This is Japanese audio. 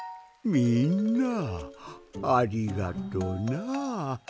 みんなありがとな。